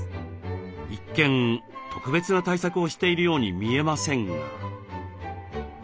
一見特別な対策をしているように見えませんが。